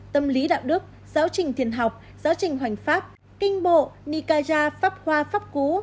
tâm lý đạo đức giáo trình thiền học giáo trình hoành pháp kinh bộ nikaya pháp hoa pháp cú